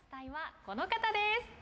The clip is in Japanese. この方です。